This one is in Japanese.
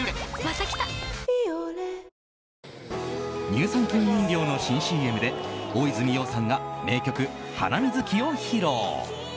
乳酸菌飲料の新ＣＭで大泉洋さんが名曲「ハナミズキ」を披露。